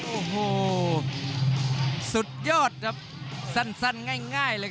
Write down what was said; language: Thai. โอ้โหสุดยอดครับสั่นสั่นง่ายง่ายเลยครับ